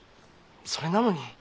それなのに。